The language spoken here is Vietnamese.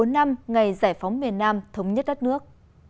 bốn mươi năm ngày giải phóng miền nam thống nhất đất nước